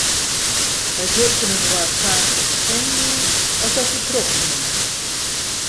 Wy wurken inoar faker op 'e senuwen as dat wy trochhiene.